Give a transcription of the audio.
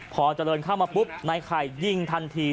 พอเจริญเข้ามาปุ๊บนายไข่ยิงทันที